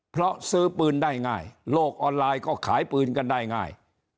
เพราะซื้อปืนได้ง่ายโลกออนไลน์ก็ขายปืนกันได้ง่าย